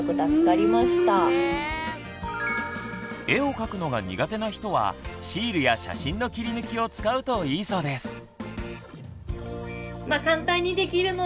絵を描くのが苦手な人はシールや写真の切り抜きを使うといいそうです。